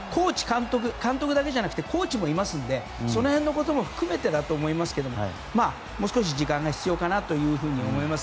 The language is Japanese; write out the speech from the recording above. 監督じゃなくてコーチもいますのでその辺のことも含めてだと思いますけどもう少し時間が必要かなと思います。